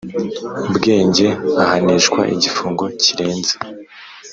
bwenge ahanishwa igifungo kirenze